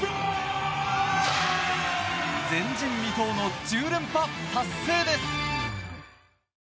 前人未到の１０連覇達成です。